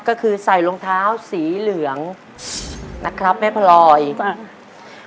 ก็คือใส่รองเท้าสีเหลืองนะครับแม่พลอยอ่า